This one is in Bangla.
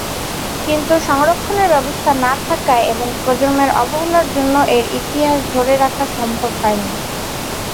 কিন্তু সংরক্ষণের ব্যবস্থা না থাকায় এবং প্রজন্মের অবহেলার জন্য এর ইতিহাস ধরে রাখা সম্ভব হয়নি।